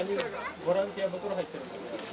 ボランティア袋入ってるので。